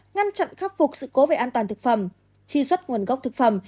ngăn chặn khắc phục sự cố về an toàn thực phẩm truy xuất nguồn gốc thực phẩm